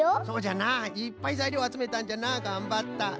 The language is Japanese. そうじゃないっぱいざいりょうあつめたんじゃなあ。がんばった。